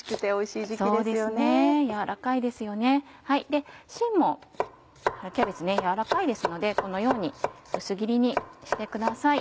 しんも春キャベツ柔らかいですのでこのように薄切りにしてください。